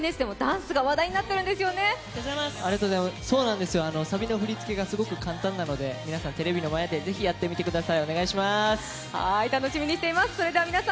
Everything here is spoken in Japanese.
そうなんです、サビの振り付けがすごく簡単なので皆さん、テレビの前で是非やってみてください。